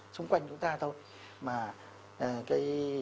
xung quanh chúng ta thôi